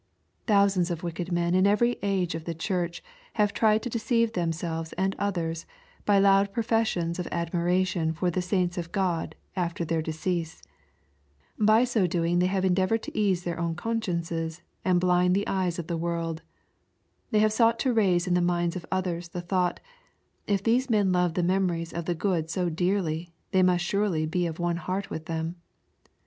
Thou sands of wicked men in every age of the church have tried to deceive themselves and others by loud professions of admiration for the saints of Grod after their decease. By so doing they have endeavored to ease their own con sciences, and blind the eyes of the world. They have sought to raise in the minds of others the thought, '^ If these men love the memories of the good so dearly they must surely be of one heart with them."